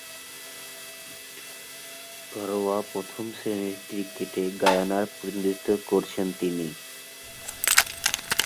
ঘরোয়া প্রথম-শ্রেণীর ক্রিকেটে গায়ানার প্রতিনিধিত্ব করছেন তিনি।